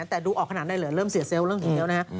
แต่ดูออกขนาดไหนเหรอเริ่มเสียเซลล์เริ่มเห็นแล้วนะฮะ